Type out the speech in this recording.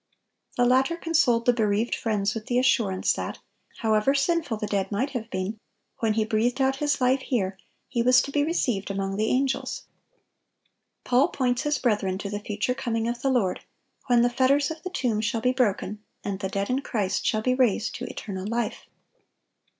The latter consoled the bereaved friends with the assurance, that, however sinful the dead might have been, when he breathed out his life here he was to be received among the angels. Paul points his brethren to the future coming of the Lord, when the fetters of the tomb shall be broken, and the "dead in Christ" shall be raised to eternal life.